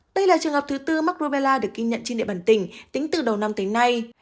đây là trường hợp thứ tư mắc rubella được ghi nhận trên địa bàn tỉnh tính từ đầu năm tới nay